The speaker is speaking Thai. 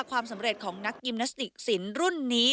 ความสำเร็จของนักยิมนาสติกสินรุ่นนี้